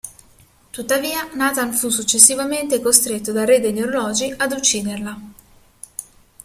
Tuttavia, Nathan fu successivamente costretto dal Re degli Orologi ad ucciderla.